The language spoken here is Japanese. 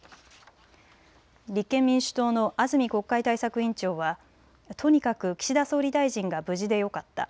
立憲民主党の安住国会対策委員長は、とにかく岸田総理大臣が無事でよかった。